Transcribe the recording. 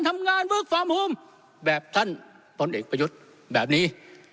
ทำงานแบบท่านต้นเอกประยุทธแบบนี้